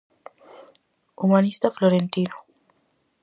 Humanista florentino.